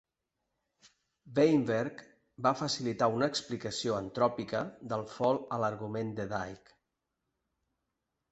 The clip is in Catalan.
Weinberg va facilitar una explicació antròpica del fall a l"argument de Dicke.